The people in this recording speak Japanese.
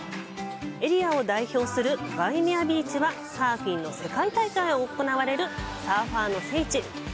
エリアを代表するワイメアビーチはサーフィンの世界大会が行われるサーファーの聖地。